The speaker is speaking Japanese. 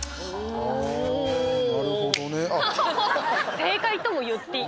ああなるほどね。